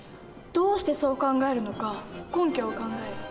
どうしてそう考えるのか根拠を考える。